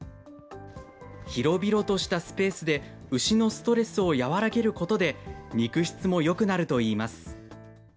広々としたスペースで、牛のストレスを和らげることで、肉質もよくなるといいます。